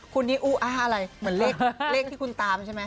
คุณนี่อู้อ้าอะไรเหมือนเลขที่คุณตามใช่ไหม